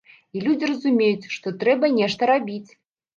І людзі разумеюць, што трэба нешта рабіць.